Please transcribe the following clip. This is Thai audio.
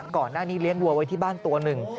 ก่อนหน้านี้เลี้ยงวัวไว้ที่บ้านตัวหนึ่ง